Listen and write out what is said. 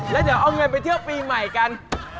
แล้วเดี๋ยวเอาเงินไปเที่ยวปีใหม่กัน